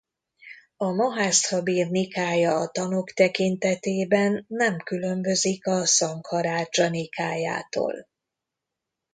A mahászthabir-nikája a tanok tekintetében nem különbözik a szangharádzsa-nikájától.